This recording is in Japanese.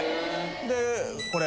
でこれ